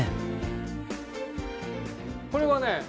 これはね